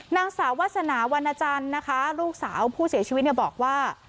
นางสาววาสนาวรรณจันทร์นะคะลูกสาวผู้เสียชีวิตเนี่ยบอกว่า